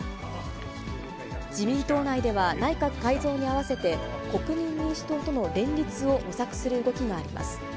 自民党内では内閣改造に合わせて、国民民主党との連立を模索する動きがあります。